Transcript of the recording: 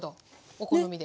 お好みで。